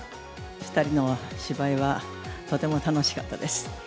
２人の芝居はとても楽しかったです。